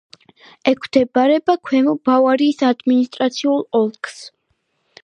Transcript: ექვემდებარება ქვემო ბავარიის ადმინისტრაციულ ოლქს.